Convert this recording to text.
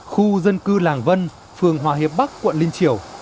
khu dân cư làng vân phường hòa hiệp bắc quận liên triều